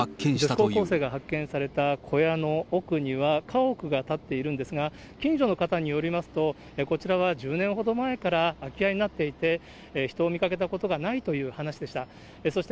女子高校生が発見された小屋の奥には、家屋が建っているんですが、近所の方によりますと、こちらは１０年ほど前から空き家になっていて、人を見かけたことがないという話でした。